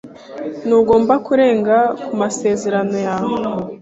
Ntugomba kurenga ku masezerano yawe.